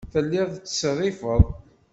Telliḍ tettṣerrifeḍ.